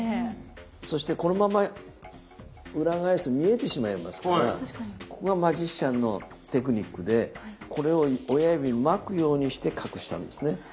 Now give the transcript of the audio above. そしてこのまま裏返すと見えてしまいますからここがマジシャンのテクニックで親指を巻くようにして隠したんですね。